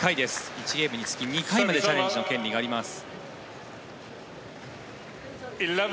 １ゲームにつき２回チャレンジの権利があります。